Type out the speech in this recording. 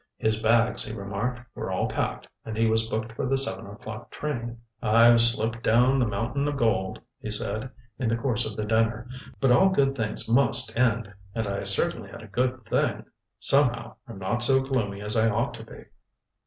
His bags, he remarked, were all packed, and he was booked for the seven o'clock train. "I've slipped down the mountain of gold," he said in the course of the dinner. "But all good things must end, and I certainly had a good thing. Somehow, I'm not so gloomy as I ought to be."